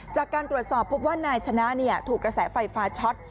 จากการตรวจสอบพบว่านายชนะถูกกระแสไฟฟ้าช็อต